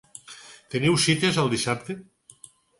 Teniu cites el dissabte?